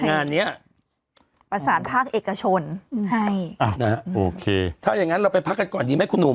งานเนี้ยประสานภาคเอกชนให้อ่านะฮะโอเคถ้าอย่างงั้นเราไปพักกันก่อนดีไหมคุณหนุ่ม